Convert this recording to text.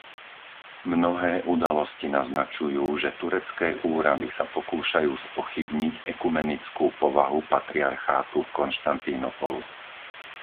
Mnohé udalosti naznačujú, že turecké úrady sa pokúšajú spochybniť ekumenickú povahu patriarchátu Konštantínopolu.